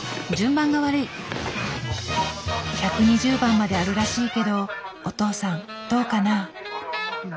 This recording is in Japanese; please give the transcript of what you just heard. １２０番まであるらしいけどお父さんどうかな？